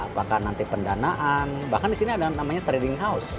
bahkan nanti pendanaan bahkan disini ada namanya trading house